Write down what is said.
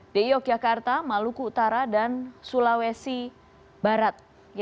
di yogyakarta maluku utara dan sulawesi barat